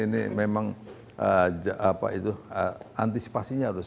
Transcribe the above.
ini memang apa itu antisipasinya harus